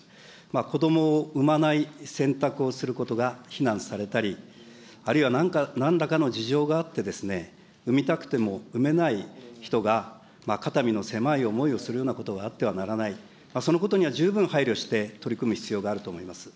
子どもを産まない選択をすることが非難されたり、あるいは、なんらかの事情があってですね、産みたくても産めない人が肩身の狭い思いをするようなことがあってはならない、そのことには十分配慮して取り組む必要があると思います。